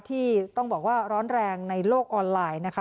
ที่ต้องบอกว่าร้อนแรงในโลกออนไลน์นะคะ